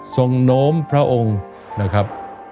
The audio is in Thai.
โน้มพระองค์นะครับ